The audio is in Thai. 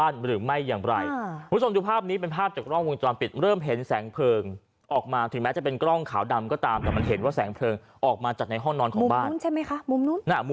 มุมนู้นใช่มั้ยคะมุมนู้น